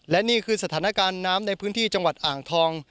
และนี่คือสถานการณ์น้ำในพื้นที่จังหวัดอ่างทอง